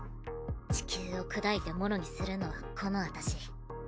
地球を砕いて物にするのはこの私。